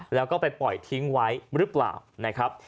แล้วก็ไปปล่อยทิ้งไว้หรือเปล่านะครับ